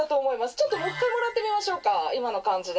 ちょっともう１回もらってみましょうか、今の感じで。